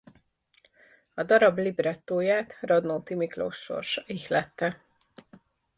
A darab librettóját Radnóti Miklós sorsa ihlette.